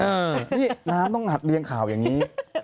นี่น้ำต้องหัดเรียงข่าวอย่างนี้